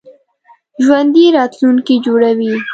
ژوندي راتلونکی جوړوي